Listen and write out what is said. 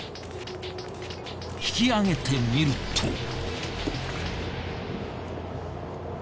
引き揚げてみると。